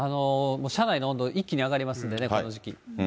車内の温度、一気に上がりますんでね、この時期。